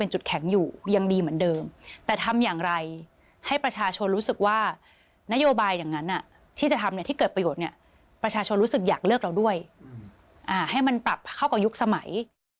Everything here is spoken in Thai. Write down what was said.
ให้มันปรับเข้ากับยุคสมัย